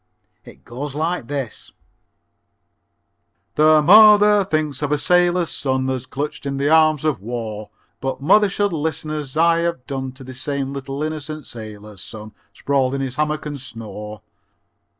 It goes like this: I The mother thinks of her sailor son As clutched in the arms of war, But mother should listen, as I have done, To this same little, innocent sailor son Sprawl in his hammock and snore.